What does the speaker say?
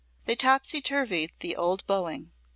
They topsy turvied the old bowing.